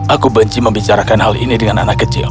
aku benci membicarakan hal ini dengan anak kecil